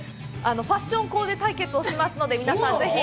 ファッションコーデ対決をしますので、皆さんぜひ。